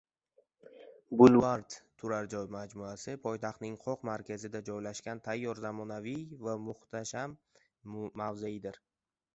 Boulevard turar joy majmuasi poytaxtning qoq markazida joylashgan tayyor zamonaviy va muhtasham mavzedir